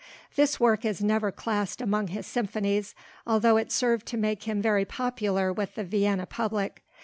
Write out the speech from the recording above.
This work is never classed among his symphonies, although it served to make him very popular with the Vienna public.